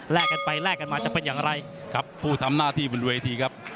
กันไปแลกกันมาจะเป็นอย่างไรครับผู้ทำหน้าที่บนเวทีครับ